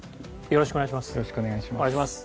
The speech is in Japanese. よろしくお願いします。